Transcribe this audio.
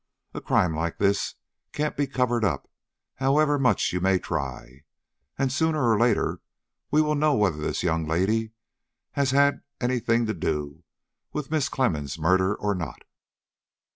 "A crime like this can't be covered up, however much you may try; and sooner or later we will all know whether this young lady has had any thing to do with Mrs. Clemmens' murder or not."